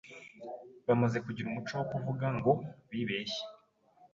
bamaze kugira umuco wo kuvuga ngo bibeshye